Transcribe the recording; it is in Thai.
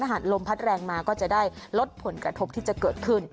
หากลมพัดแรงมาก็จะได้ลดผลกระทบที่จะเกิดขึ้น